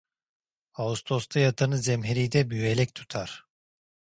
Ağustosta yatanı zemheride büğelek tutar…